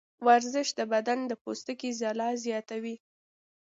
ورزش د بدن د پوستکي ځلا زیاتوي.